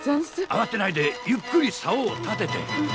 あわてないでゆっくりさおを立てて。